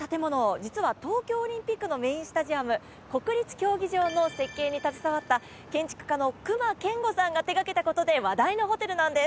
実は東京オリンピックのメインスタジアム国立競技場の設計に携わった建築家の隈研吾さんが手掛けたことで話題のホテルです。